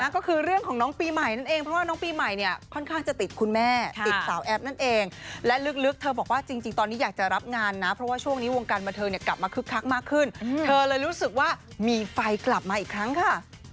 ก็คือเรื่องของน้องปีใหม่นั่นเองเพราะว่าน้องปีใหม่เนี่ยค่อนข้างจะติดคุณแม่ติดสาวแอฟนั่นเองและลึกเธอบอกว่าจริงตอนนี้อยากจะรับงานนะเพราะว่าช่วงนี้วงการบันเทิงเนี่ยกลับมาคึกคักมากขึ้นเธอเลยรู้สึกว่ามีไฟกลับมาอีกครั้งค่ะ